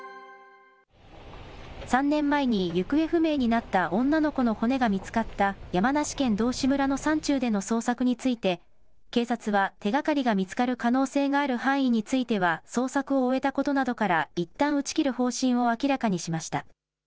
３年前に行方不明になった女の子の骨が見つかった山梨県道志村の山中での捜索について、警察は手がかりが見つかる可能性がある範囲については捜索を終えたことなどから、いったん打ち切る方針を明らかにしました。